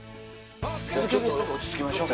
ちょっと落ち着きましょう。